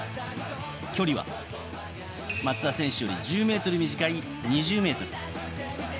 距離は松田選手より１０ｍ短い２０ｍ。